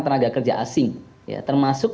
tenaga kerja asing ya termasuk